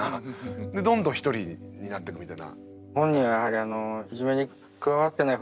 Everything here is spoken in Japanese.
でどんどん一人になってくみたいな。